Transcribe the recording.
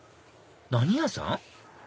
何屋さん？